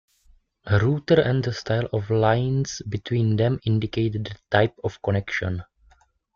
Router, and the style of lines between them indicate the type of connection.